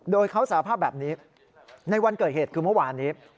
โดยเขาสาภาพแบบนี้ในวันเกิดเหตุคือเมื่อวานนี้